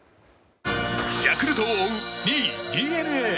ヤクルトを追う２位、ＤｅＮＡ。